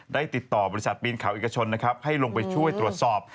ได้ติดต่อบริษัทปีนเขาเอกชนนะครับให้ลงไปช่วยตรวจสอบ